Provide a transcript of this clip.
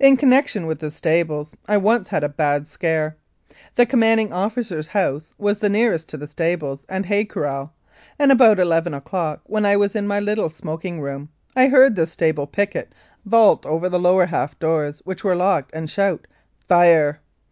In connection with the stables I once had a bad scare. The commanding officer's house was the nearest to the stables and hay corral, and about eleven o'clock, when I was in my little smoking room, I heard the stable picket vault over the lower half doors, which were locked, and shout :" Fire